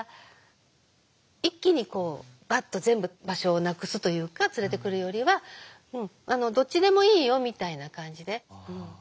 一気にこうバッと全部場所をなくすというか連れてくるよりは「どっちでもいいよ」みたいな感じで。